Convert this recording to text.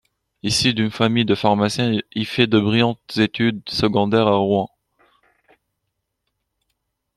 Issu d'une famille de pharmaciens, il fait de brillantes études secondaires à Rouen.